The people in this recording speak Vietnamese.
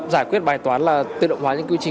giải quyết bài toán là tự động hóa những quy trình